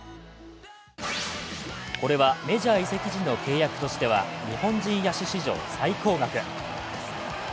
これはメジャー移籍時の契約としては日本人野手史上最高額。